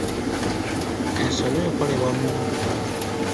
Ensobi ekolebwa muntu.